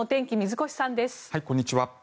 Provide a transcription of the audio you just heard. こんにちは。